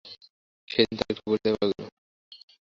সেদিন তার একটু পরিচয় পাওয়া গেল।